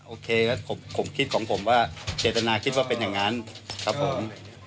โอเคแล้วผมคิดของผมว่าเจตนาคิดว่าเป็นอย่างนั้นครับผม